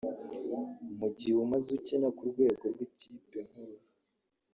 Mu gihe umaze ukina ku rwego rw’ikipe nkuru